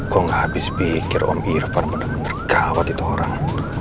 kok nggak habis pikir om irfan bener bener gawat itu orang